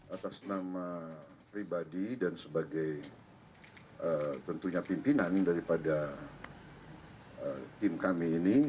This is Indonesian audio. atas nama pribadi dan sebagai tentunya pimpinan daripada tim kami ini